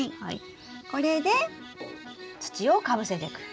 これで土をかぶせてく。